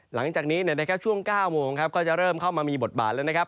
หลังจากนี้ช่วง๙โมงครับก็จะเริ่มเข้ามามีบทบาทแล้วนะครับ